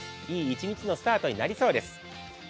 いい一日のスタートになりそうです。